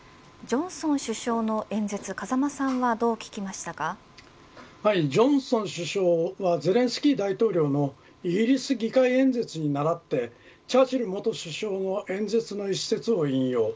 ジョンソン首相の演説ジョンソン首相はゼレンスキー大統領のイギリス議会演説に習ってチャーチル元首相の演説の一節を引用。